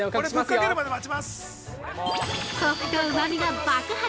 ◆コクとうまみが爆発。